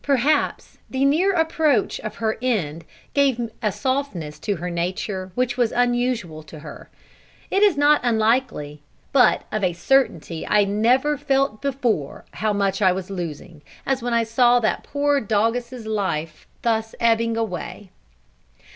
Perhaps the near approach of her end gave a softness to her nature which was unusual to her; it is not unlikely; but, of a certainty, I never felt before how much I was losing, as when I saw that poor doggess's life thus ebbing away.